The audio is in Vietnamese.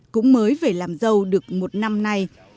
cũng mới về làm dâu được một năm nay